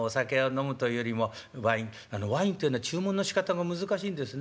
ワインというのは注文のしかたが難しいんですね。